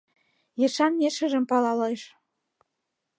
Ешан ешыжым палалеш...